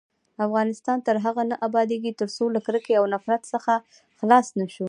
افغانستان تر هغو نه ابادیږي، ترڅو له کرکې او نفرت څخه خلاص نشو.